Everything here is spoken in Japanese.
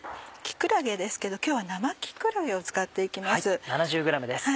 木くらげですけど今日は生木くらげを使って行きます。